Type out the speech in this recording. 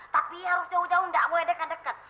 tapi harus jauh jauh tidak boleh dekat dekat